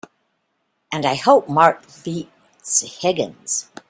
And I hope Mark beats Higgins!